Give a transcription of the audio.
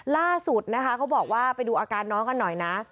ล่าสุดนะคะเขาบอกว่าไปดูอาการน้องกันหน่อยนะ